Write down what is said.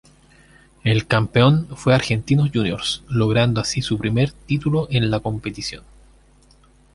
El campeón fue Argentinos Juniors, logrando así su primer título en la competición.